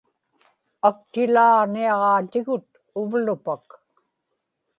aktilaaġniaġaatigut uvlupak